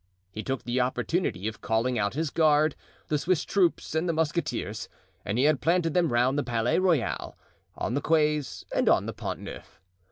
He took the opportunity of calling out his guard, the Swiss troops and the musketeers, and he had planted them round the Palais Royal, on the quays, and on the Pont Neuf.